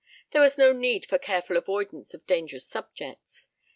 There was no need for careful avoidance of dangerous subjects.